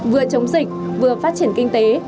vừa chống dịch vừa phát triển kinh tế